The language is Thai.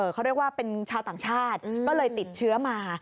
เขาเรียกว่าเป็นชาวต่างชาติก็เลยติดเชื้อมา